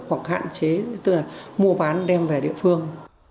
hoặc hạn chế tức là mua bán đem về địa phương